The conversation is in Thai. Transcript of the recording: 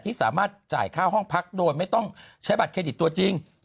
ที่สามารถจ่ายค่าห้องพักโดยไม่ต้องใช้บัตรเครดิตตัวจริง